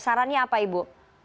sarannya apa ibu